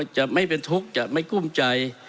จะไม่เป็นทุกข์จะไม่กุ้มใจ